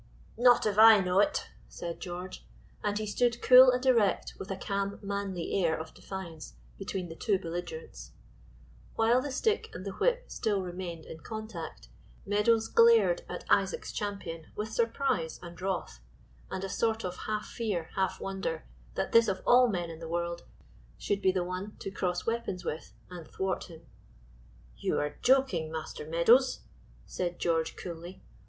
"Not if I know it," said George. And he stood cool and erect with a calm manly air of defiance between the two belligerents. While the stick and the whip still remained in contact, Meadows glared at Isaac's champion with surprise and wrath, and a sort of half fear half wonder that this of all men in the world should be the one to cross weapons with and thwart him. "You are joking, Master Meadows," said George coolly.